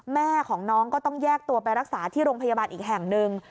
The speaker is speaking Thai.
แม่ของน้องก็ต้องแยกตัวไปรักษาที่โรงพยาบาลอีกแห่งหนึ่ง